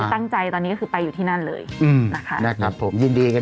วันนี้เปลี่ยนแปลงก่อนสวัสดีครับ